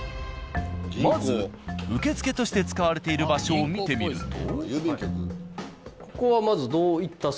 まず受付として使われている場所を見てみると。